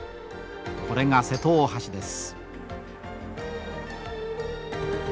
これが瀬戸大橋です。